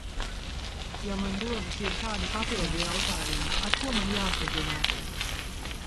Ja man rodas jebkādi papildu jautājumi, ar ko man jāsazinās?